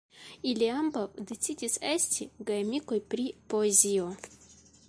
Ili ambaŭ decidis esti geamikoj pri poezio.